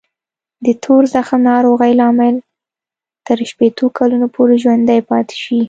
د تور زخم ناروغۍ لامل تر شپېتو کلونو پورې ژوندی پاتې شي.